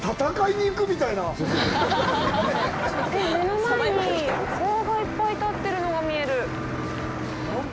目の前に棒がいっぱい立ってるのが見える。